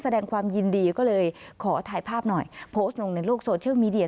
แสดงความยินดีก็เลยขอถ่ายภาพหน่อยโพสต์ลงในโลกโซเชียลมีเดีย